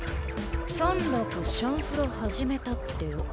「サンラクシャンフロ始めたってよ」